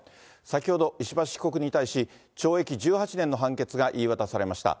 先ほど、石橋被告に対し懲役１８年の判決が言い渡されました。